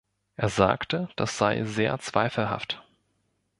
Er sagte, das sei sehr zweifelhaft.